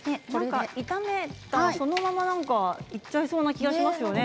炒めたらそのままいっちゃいそうな気がしますよね。